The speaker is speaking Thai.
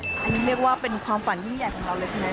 อันนี้เรียกว่าเป็นความฝันยิ่งใหญ่ของเราเลยใช่ไหม